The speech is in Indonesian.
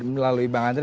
melalui bang andri